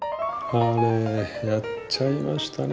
あれやっちゃいましたね